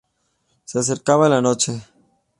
Se acercaba la noche.